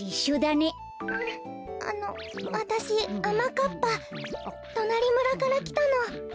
あのわたしあまかっぱ。となりむらからきたの。